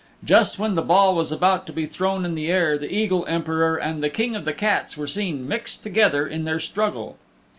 Just when the ball was about to be thrown in the air the Eagle Emperor and the King of the Cats were seen mixed together in their struggle.